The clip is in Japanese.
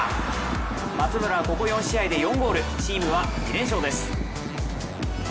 松村はここ４試合で４ゴール、チームは２連勝です。